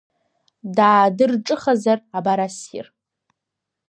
Даадырҿыхазар, абар ассир…